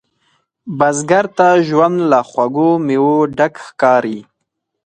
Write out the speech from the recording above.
بزګر ته ژوند له خوږو میوو ډک ښکاري